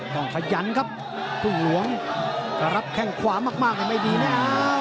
ต้องพยันครับคุณหลวงรับแค่งขวามากไม่ดีนะอ้าว